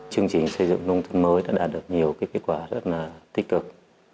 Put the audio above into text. chương trình xây dựng nông thôn mới đã đạt được nhiều kết quả rất là tích cực